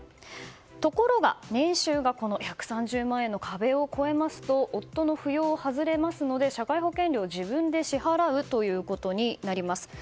ところが、年収が１３０万円の壁を超えますと夫の扶養を外れますので社会保険料を自分で支払うことになります。